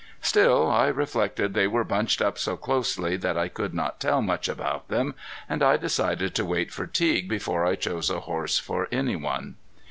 Still, I reflected, they were bunched up so closely that I could not tell much about them, and I decided to wait for Teague before I chose a horse for any one.